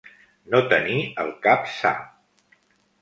No tenir el cap sa.